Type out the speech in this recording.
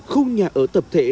khu nhà ở tập thể